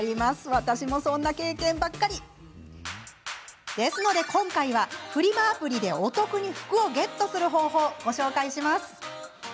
私もそんな経験ばっかり今回フリマアプリで、お得に服をゲットする方法をご紹介します。